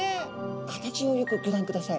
形をよくギョ覧ください。